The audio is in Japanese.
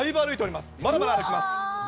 まだまだ歩きます。